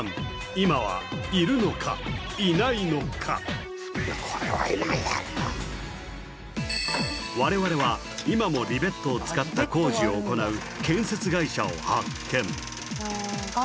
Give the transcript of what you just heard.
今はいるのかいないのか我々は今もリベットを使った工事を行う建設会社を発見